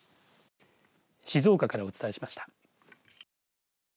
静岡からお伝えしました。